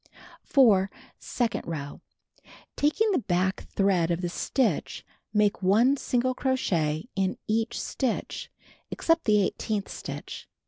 4. Second row: Taking the back thread of the stitch, make 1 single crochet in each stitch, except the eighteenth stitch.